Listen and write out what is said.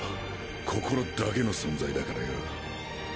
心だけの存在だからよ。